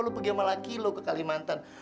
lu pergi sama laki lu ke kalimantan